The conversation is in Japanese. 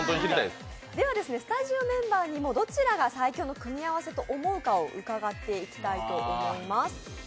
では、スタジオメンバーにもどちらが最強の組み合わせと思うか伺っていきたいと思います。